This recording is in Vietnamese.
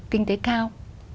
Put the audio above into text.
kinh tế cao